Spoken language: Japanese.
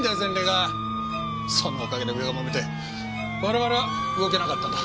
そのおかげで上がもめて我々は動けなかったんだ。